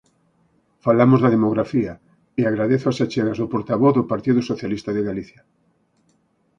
Falamos da demografía, e agradezo as achegas do portavoz do Partido Socialista de Galicia.